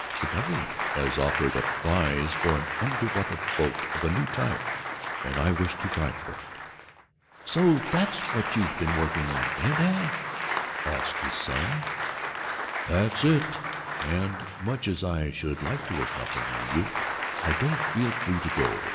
The government has offered a prize for an under water boat of a new type, and I wish to try for it." "So that's what you've been working on, eh, dad?" asked his son. "That's it, and, much as I should like to accompany you, I don't feel free to go.